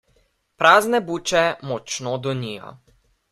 Prazne buče močno donijo.